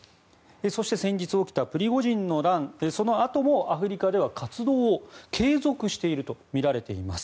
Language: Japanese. そして、先日起きたプリゴジンの乱そのあともアフリカでは活動を継続しているとみられています。